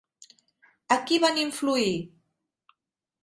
A qui van influir?